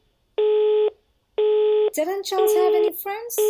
Didn't Charles have any friends?